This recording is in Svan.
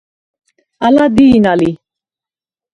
ალა დი̄ნა ლი.